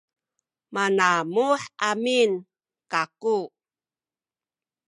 manamuh amin kaku